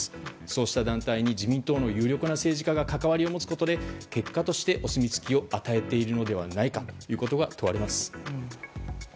そうした団体に自民党の有力な政治家が関わりを持つことで結果としてお墨付きを与えているのではないかということが問われます。